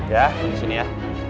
ya disini ya